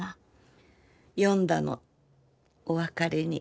詠んだのお別れに。